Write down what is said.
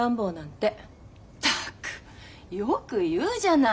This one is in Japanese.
ったくよく言うじゃない。